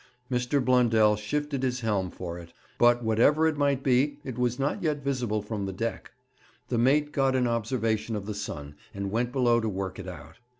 Mr. Blundell shifted his helm for it, but, whatever it might be, it was not yet visible from the deck. The mate got an observation of the sun, and went below to work it out.